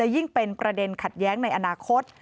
ยิ่งเป็นประเด็นขัดแย้งในอนาคต